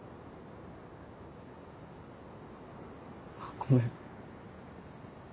ごめん。